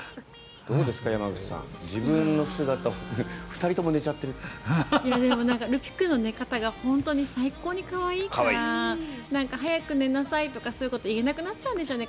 どうですか、山口さん自分の姿でも、るぴ君の寝方が本当に最高に可愛いから早く寝なさいとかそういうこと言えなくなっちゃうんでしょうね。